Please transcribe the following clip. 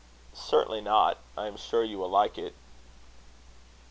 "Certainly not. I am sure you will like it."